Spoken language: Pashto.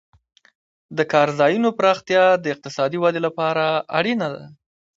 د کار ځایونو پراختیا د اقتصادي ودې لپاره اړینه ده.